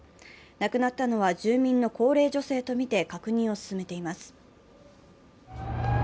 亡くなったのは住民の高齢女性とみて確認を進めています。